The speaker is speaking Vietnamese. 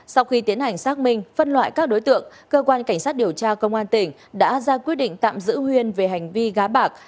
sau khi tiến hành xác minh phân loại các đối tượng cơ quan cảnh sát điều tra công an tỉnh đã ra quyết định tạm giữ huyên về hành vi gá bạc